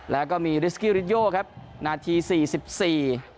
แล้วก็มีริสกี้ริสโยครับนาทีสี่สิบสี่